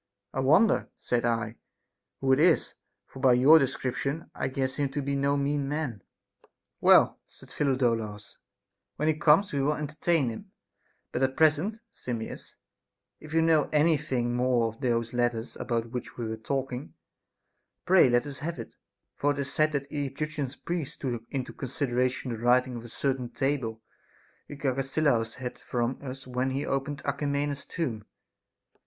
I wonder, said I, who it is, for by your description I guess him to be no mean man. 7. Well, said Phidolaus, when he comes we will enter tain him ; but at the present, Simmias, if you know any thing more of those letters about which we were talking, pray let us have it ; for it is said that the Egyptian priests took into consideration the writing of a certain table which Agesilaus had from us when he opened Alcmena's tomb.